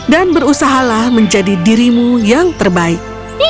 dan berusaha lah menjadi dirimu yang terbaik